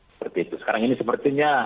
seperti itu sekarang ini sepertinya